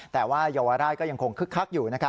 แต่ว่าเยาวราชก็ยังคงคึกคักอยู่